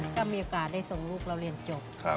ถ้ามีโอกาสได้ส่งลูกเราเรียนจบ